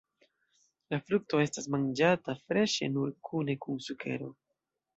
La frukto estas manĝata freŝe nur kune kun sukero.